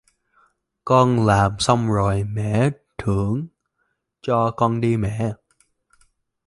Con làm xong rồi mẹ thưởng cho con đi mẹ